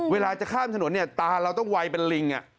เวลาจะข้ามถนนเนี่ยตาเราต้องไวเป็นลิง